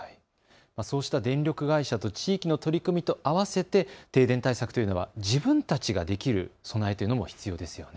そうした電力会社と地域の取り組みと合わせて停電対策というのは自分たちができる備えというのも必要ですよね。